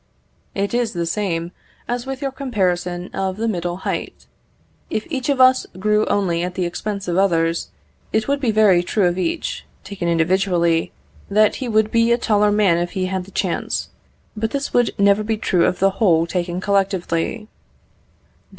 It is the same as with your comparison of the middle height. If each of us grew only at the expense of others, it would be very true of each, taken individually, that he would be a taller man if he had the chance, but this would never be true of the whole taken collectively.